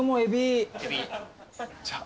じゃあ。